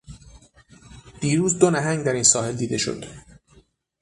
دیروز دو نهنگ در این ساحل دیده شد.